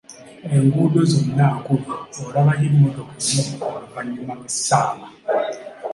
Enguuddo zonna nkalu olabayo emmotoka emu oluvannyuma lw'essaawa.